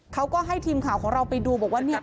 เขาก็ให้ทีมข่าวของเราไปดูบอกว่าเนี่ย